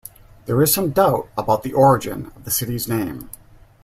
There is some doubt about the origin of the city's name.